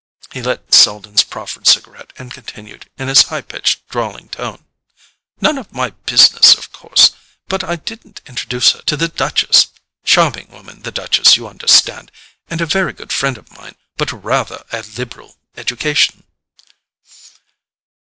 He lit Selden's proffered cigarette, and continued, in his high pitched drawling tone: "None of my business, of course, but I didn't introduce her to the Duchess. Charming woman, the Duchess, you understand; and a very good friend of mine; but RATHER a liberal education."